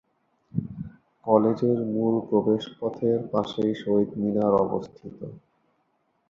কলেজের মূল প্রবেশপথের পাশেই শহীদ মিনার অবস্থিত।